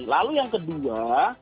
lalu yang kedua